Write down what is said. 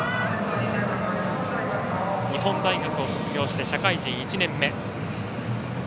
日本大学を卒業して社会人１年目。